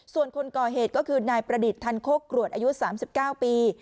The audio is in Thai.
ส่วนคนก่อเหตุก็คือนายประดิษฐ์ทันโคกรวดอายุ๓๙ปี